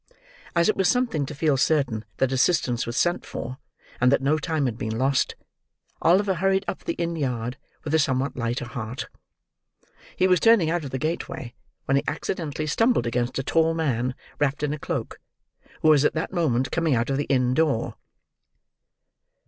As it was something to feel certain that assistance was sent for, and that no time had been lost, Oliver hurried up the inn yard, with a somewhat lighter heart. He was turning out of the gateway when he accidently stumbled against a tall man wrapped in a cloak, who was at that moment coming out of the inn door.